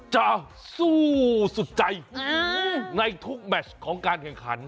จะสู้สุดใจในทุกแมชของการแข่งขัน